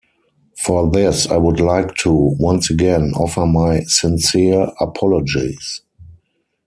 For this I would like to, once again, offer my sincere apologies.